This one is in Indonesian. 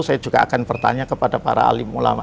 saya juga akan bertanya kepada para alim ulama